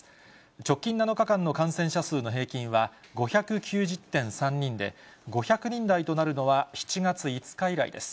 直近７日間の感染者数の平均は５９０．３人で、５００人台となるのは７月５日以来です。